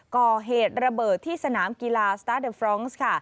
ก่อเหตุระเบิดที่สนามกีฬาสตาร์เดอร์ฟรองซ์ค่ะ